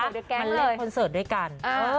มันเล่นคอนเสิร์ตด้วยกัน